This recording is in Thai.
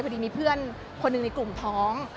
พอดีมีเพื่อนคนหนึ่งในกลุ่มท้อง